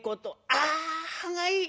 「ああはがいい」。